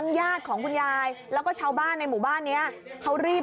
ความห่วงคุณยายต้มกักให้คุณยายเล่นครับ